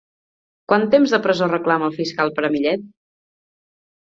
Quant temps de presó reclama el fiscal per a Millet?